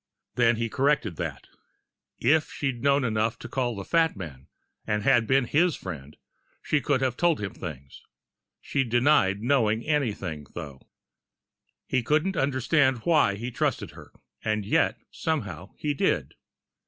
Then he corrected that. If she'd known enough to call the fat man, and had been his friend, she could have told him things. She'd denied knowing anything, though. He couldn't understand why he trusted her and yet, somehow, he did.